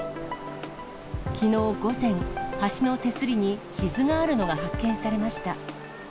きのう午前、橋の手すりに傷があるのが発見されました。